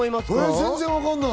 全然わかんない。